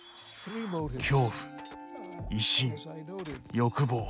恐怖威信欲望